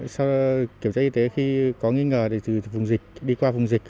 sau kiểm tra y tế khi có nghi ngờ để từ vùng dịch đi qua vùng dịch